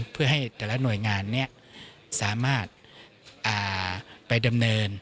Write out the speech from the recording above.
เพื่อให้แต่ละหน่วยงานสามารถไปดำเนิน